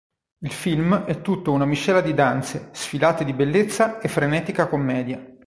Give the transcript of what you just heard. Il film è tutto una miscela di danze, sfilate di bellezza e frenetica commedia.